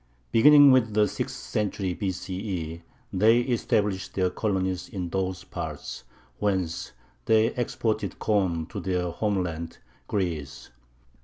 Beginning with the sixth century B.C.E., they established their colonies in those parts, whence they exported corn to their homeland, Greece.